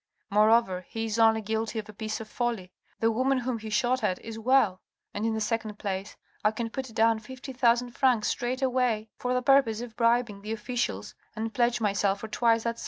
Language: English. Moreover, he is only guilty of a piece of folly ; the woman whom he shot at is well ; and, in the second place, I can put down fifty thousand francs straight away for the purpose of bribing the officials, and pledge my self for twice that sum.